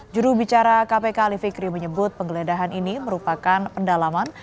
jurubicara kpk ali fikri menyebut penggeledahan ini merupakan pendalaman